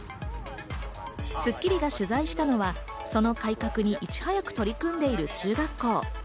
『スッキリ』が取材したのはその改革にいち早く取り組んでいる中学校。